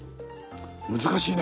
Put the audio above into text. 難しいね。